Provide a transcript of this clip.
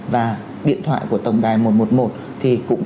và điện thoại của tổng đài một trăm một mươi một